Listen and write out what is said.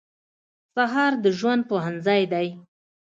سهار د ژوند پوهنځی دی.